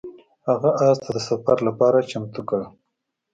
هغه اس ته د سفر لپاره چمتو کړ.